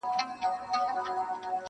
ښه دی چي جواب له خپله ځانه سره یو سمه-